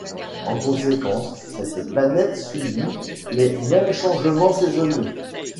En conséquence, cette planète subit les mêmes changements saisonniers.